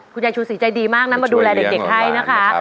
คุณยายชูศรีใจดีมากนะมาดูแลเด็กให้นะคะ